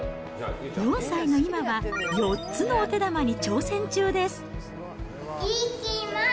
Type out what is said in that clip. ４歳の今は、４つのお手玉に挑戦中です。